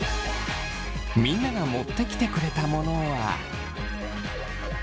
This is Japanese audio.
みんなが持ってきてくれたモノは。